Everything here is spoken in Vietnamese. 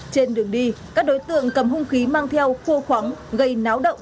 trên đường đi các đối tượng cầm hùng khí mang theo khô khoáng gây náo động